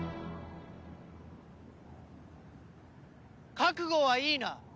覚悟はいいな？